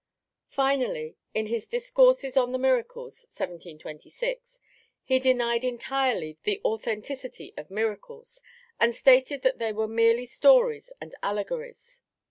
Finally, in his Discourses on the Miracles (1726) he denied entirely the authenticity of miracles, and stated that they were merely stories and allegories.